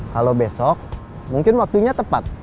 kalau besok mungkin waktunya tepat